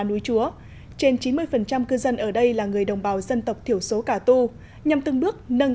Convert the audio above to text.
núi chúa trên chín mươi cư dân ở đây là người đồng bào dân tộc thiểu số cà tu nhằm từng bước nâng